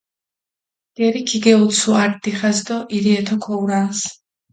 გერი ქიგეჸუცუ ართ დიხას დო ირიათო ქოჸურანს.